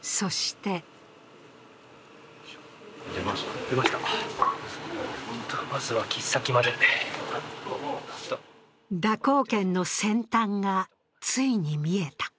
そして蛇行剣の先端が、ついに見えた。